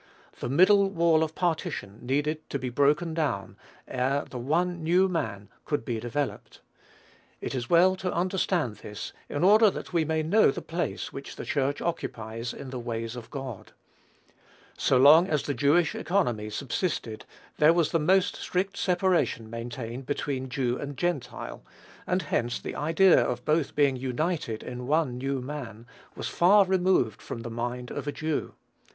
"The middle wall of partition" needed to be broken down, ere the "one new man" could be developed. It is well to understand this in order that we may know the place which the Church occupies in the ways of God. So long as the Jewish economy subsisted there was the most strict separation maintained between Jew and Gentile, and hence the idea of both being united in one new man was far removed from the mind of a Jew.